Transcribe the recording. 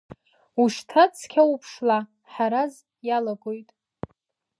Ушьҭа цқьа уԥшла, Ҳараз, иалагоит!